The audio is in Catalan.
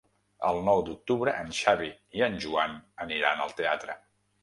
El nou d'octubre en Xavi i en Joan aniran al teatre.